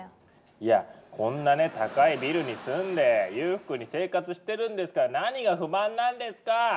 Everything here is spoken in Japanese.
いやこんなね高いビルに住んで裕福に生活してるんですから何が不満なんですか？